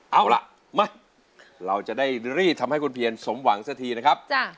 เอาล่ะมาเราจะได้รีบทำให้คุณเพียรสมหวังสักทีนะครับ